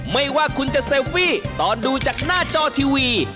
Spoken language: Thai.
ไม่ว่าคุณจะเซลฟี่ตอนดูจากหน้าจอทีวี